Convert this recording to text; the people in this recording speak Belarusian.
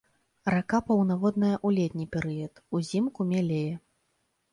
Рака паўнаводная ў летні перыяд, узімку мялее.